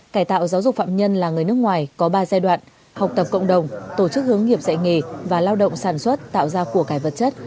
cải tạo giáo dục phạm nhân là người nước ngoài có ba giai đoạn học tập cộng đồng tổ chức hướng nghiệp dạy nghề và lao động sản xuất tạo ra của cải vật chất